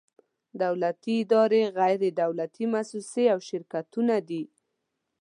دولتي ادارې، غیر دولتي مؤسسې او شرکتونه دي.